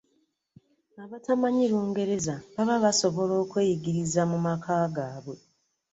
Abatamanyi Lungereza baba basobola okweyigiriza mu maka gaabwe.